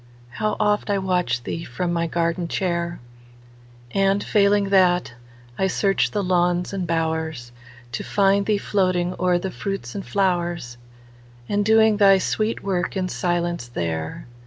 How oft I watch thee from my gardenchair! And, failing that, I search the lawns and bowers, To find thee floating o'er the fruits and flowers, And doing thy sweet work in silence there.